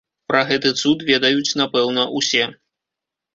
Пра гэты цуд ведаюць, напэўна, усе.